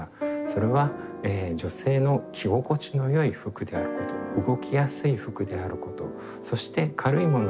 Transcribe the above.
それは女性の着心地のよい服であること動きやすい服であることそして軽いものであること。